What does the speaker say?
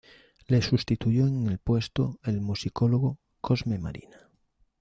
Le sustituyó en el puesto el musicólogo, Cosme Marina.